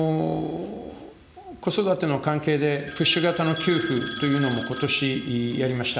子育ての関係で、プッシュ型の給付というのも、ことしやりました。